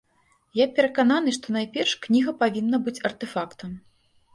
Я перакананы, што найперш кніга павінна быць артэфактам.